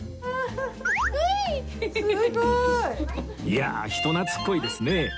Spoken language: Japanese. いや人懐っこいですね